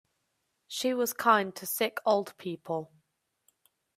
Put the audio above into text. She was kind to sick old people.